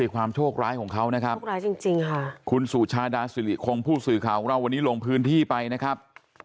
คุณสุชาดาสิริคงผู้สื่อข่าวของเราวันนี้ลงพื้นที่ไปนะครับ